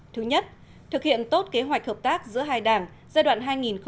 thứ nhất thực hiện tốt kế hoạch hợp tác giữa hai đảng giai đoạn hai nghìn một mươi sáu hai nghìn hai mươi